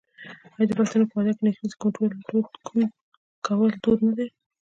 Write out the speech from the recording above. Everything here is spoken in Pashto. آیا د پښتنو په واده کې نکریزې کول دود نه دی؟